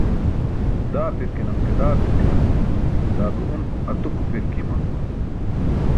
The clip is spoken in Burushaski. Daapirkanam ke daapirkanam daa be un atupirkaima.